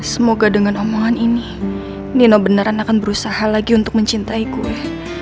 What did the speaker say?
semoga dengan omongan ini nino beneran akan berusaha lagi untuk mencintai gue